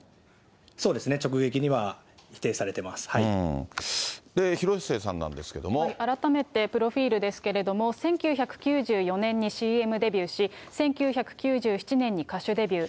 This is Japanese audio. そうですね、広末さんなんですけれども。改めてプロフィールですけれども、１９９４年にＣＭデビューし、１９９７年に歌手デビュー。